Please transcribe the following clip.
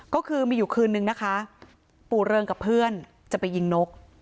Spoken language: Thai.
ก็คือมีอยู่คืนนึงนะคะปู่เริงกับเพื่อนจะไปยิงนก